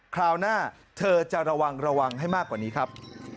คราวหน้าเธอจะระวังระวังให้มากกว่านี้ครับ